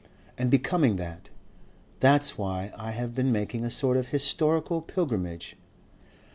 And becoming that. That's why I have been making a sort of historical pilgrimage....